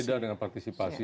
beda dengan partisipasi